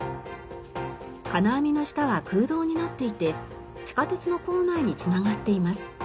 金網の下は空洞になっていて地下鉄の構内に繋がっています。